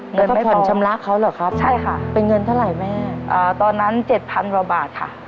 เงินไม่พอใช่ค่ะเป็นเงินเท่าไหร่แม่อ่าตอนนั้นเจ็ดพันบาทค่ะ